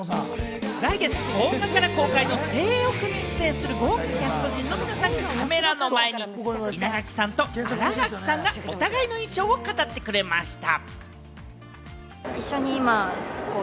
来月１０日から公開の『正欲』に出演する豪華キャスト陣の皆さんがカメラの前に稲垣さんと新垣さんがお互いの印象を語ってくれました。